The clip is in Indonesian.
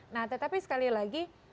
nah tetapi sekali lagi